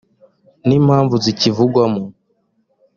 n impamvu zikivugwamo